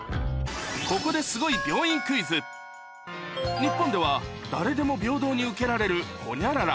ここで日本では誰でも平等に受けられるホニャララ